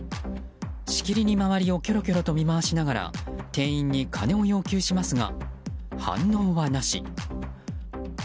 しきりに周りをきょろきょろと見回しながら店員に金を要求しますが反応はなし。